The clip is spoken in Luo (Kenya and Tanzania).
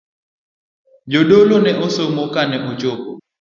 Jadolo ne somo kane ochopo.